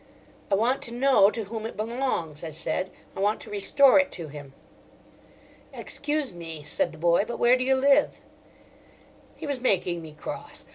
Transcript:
"I want to know to whom it belongs," I said. "I want to restore it to him." "Excuse me," said the boy, "but where do you live?" He was making me cross.